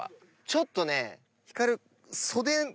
ちょっとね光。